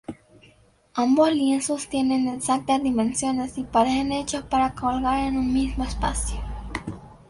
Ambos lienzos tienen exactas dimensiones y parecen hechos para colgar en un mismo espacio.